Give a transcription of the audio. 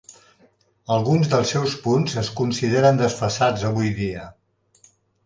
Alguns dels seus punts es consideren desfasats avui dia.